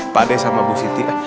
pak ade sama bu siti